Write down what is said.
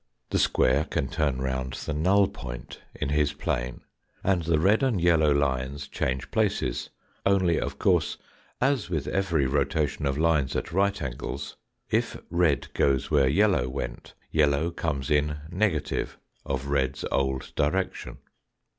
The square can turn round the null point in his plane, and the red and yellow lines change places, only of course, as with every rotation of lines at right angles, if red goes where yellow went, yellow comes in negative of red's old direction.